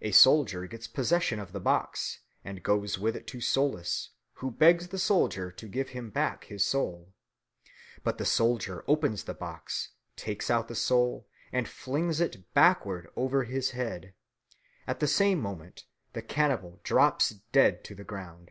A soldier gets possession of the box and goes with it to Soulless, who begs the soldier to give him back his soul. But the soldier opens the box, takes out the soul, and flings it backward over his head. At the same moment the cannibal drops dead to the ground.